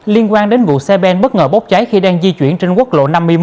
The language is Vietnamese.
liên quan đến vụ xe ben bất ngờ bốc cháy khi đang di chuyển trên quốc lộ năm mươi một